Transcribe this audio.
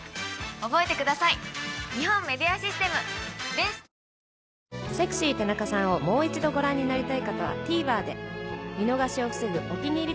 ハイハイサントリー「翠」『セクシー田中さん』をもう一度ご覧になりたい方はＴＶｅｒで見逃しを防ぐ「お気に入り」